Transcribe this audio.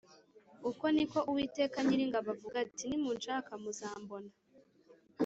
Uku ni ko Uwiteka Nyiringabo avuga ati nimunshaka muzambona